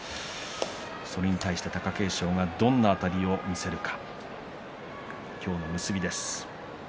それに対し貴景勝はどんなあたりを見せるか今日の結びです。